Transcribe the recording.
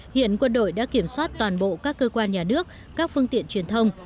hiện quân đội đã kiểm soát toàn bộ các cơ quan nhà nước các phương tiện truyền thông